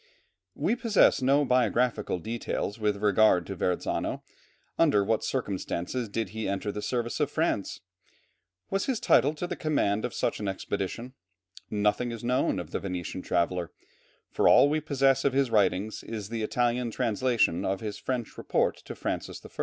We possess no biographical details with regard to Verrazzano. Under what circumstances did he enter the service of France? What was his title to the command of such an expedition? Nothing is known of the Venetian traveller, for all we possess of his writings is the Italian translation of his report to Francis I.